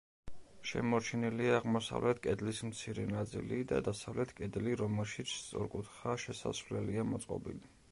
შემორჩენილია აღმოსავლეთ კედლის მცირე ნაწილი და დასავლეთ კედელი, რომელშიც სწორკუთხა შესასვლელია მოწყობილი.